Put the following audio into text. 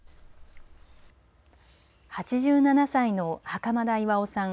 ８７歳の袴田巌さん